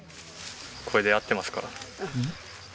これで合ってますか？